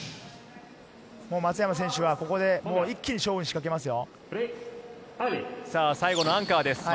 松山選手はここで一気に勝負、仕掛けますよ。